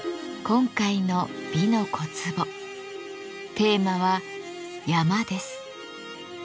今回の「美の小壺」テーマは「山」です。